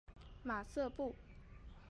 马瑟布。